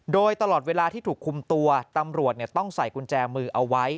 โดยตลอดเวลาที่ถูกคุมตัวตำรวจต้องใส่กุญแจมือเอาไว้